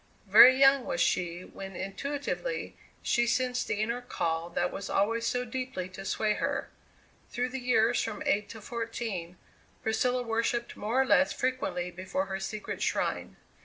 Very young was she when intuitively she sensed the inner call that was always so deeply to sway her. Through the years from eight to fourteen Priscilla worshipped more or less frequently before her secret shrine.